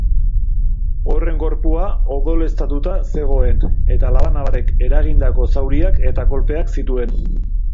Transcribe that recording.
Horren gorpua odoleztatuta zegoen, eta labana batek eragindako zauriak eta kolpeak zituen.